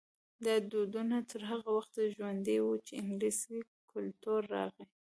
دا دودونه تر هغه وخته ژوندي وو چې انګلیسي کلتور راغی.